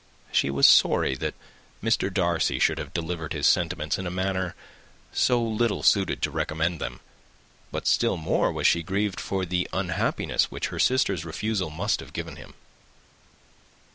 She was sorry that Mr. Darcy should have delivered his sentiments in a manner so little suited to recommend them; but still more was she grieved for the unhappiness which her sister's refusal must have given him.